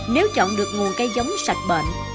nếu chọn được nguồn cây giống sạch bệnh